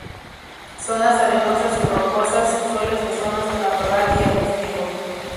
Zonas arenosas y rocosas, suelos de zonas de matorral y arbustivos.